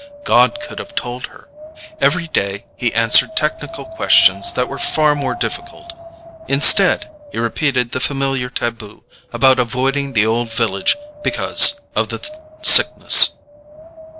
God could have told her. Every day he answered technical questions that were far more difficult. Instead, he repeated the familiar taboo about avoiding the Old Village because of the Sickness.